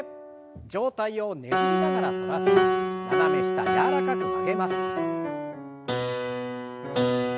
上体をねじりながら反らせて斜め下柔らかく曲げます。